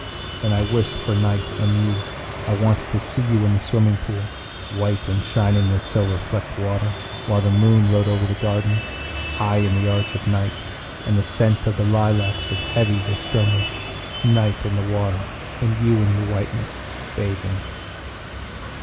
And I wished for night and you. I wanted to see you in the swimming pool, White and shining in the silver flecked water. While the moon rode over the garden, High in the arch of night, And the scent of the lilacs was heavy with stillness. Night, and the water, and you in your whiteness, bathing!